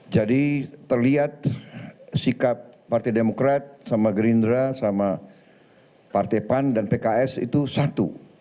jadi terlihat sikap partai demokrat sama gerindra sama partai pan dan pks itu satu